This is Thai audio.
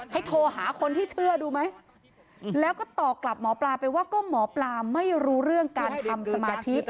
โทรหาคนที่เชื่อดูไหมแล้วก็ตอบกลับหมอปลาไปว่าก็หมอปลาไม่รู้เรื่องการทำสมาธิ